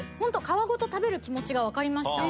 皮ごと食べる気持ちが分かりました。